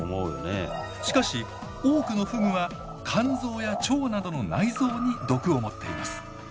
しかし多くのフグは肝臓や腸などの内臓に毒を持っています。